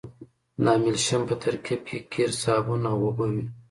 د املشن په ترکیب کې قیر صابون او اوبه وي